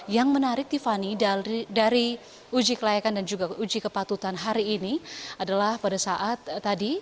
yang menarik tiffany dari uji kelayakan dan juga uji kepatutan hari ini adalah pada saat tadi